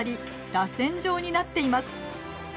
らせん状になっています。